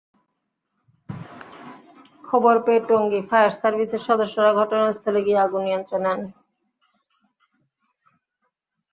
খবর পেয়ে টঙ্গী ফায়ার সার্ভিসের সদস্যরা ঘটনাস্থলে গিয়ে আগুন নিয়ন্ত্রণে আনেন।